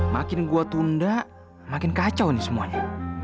makin gua tunda makin kacau nih semuanya